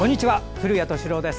古谷敏郎です。